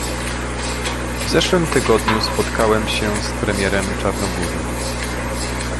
W zeszłym tygodniu spotkałem się z premierem Czarnogóry